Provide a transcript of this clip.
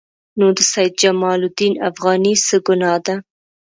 نو د سید جمال الدین افغاني څه ګناه ده.